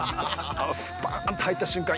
スパーンと入った瞬間